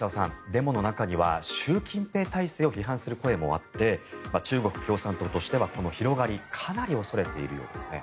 デモの中には習近平体制を批判する声もあって中国共産党としては、この広がりかなり恐れているようですね。